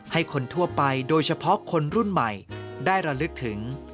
ให้คนทั่วไปโดยเฉพาะคนรุ่นใหม่ได้ระลึกถึง